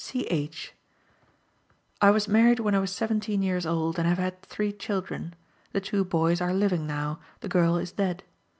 C. H.: "I was married when I was seventeen years old, and have had three children. The two boys are living now; the girl is dead.